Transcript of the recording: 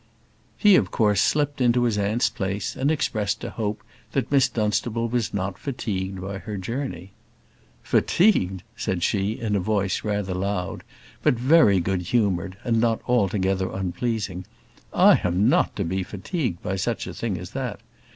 He of course slipped into his aunt's place, and expressed a hope that Miss Dunstable was not fatigued by her journey. "Fatigued!" said she, in a voice rather loud, but very good humoured, and not altogether unpleasing; "I am not to be fatigued by such a thing as that.